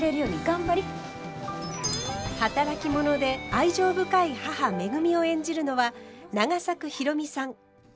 働き者で愛情深い母めぐみを演じるのは永作博美さん。